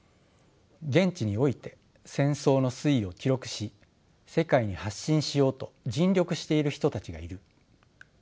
現地において戦争の推移を記録し世界に発信しようと尽力している人たちがいる。